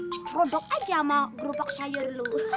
ketrodok aja sama gerobak sayur lu